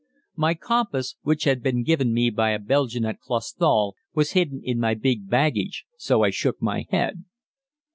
My compass, which had been given me by a Belgian at Clausthal, was hidden in my big baggage, so I shook my head.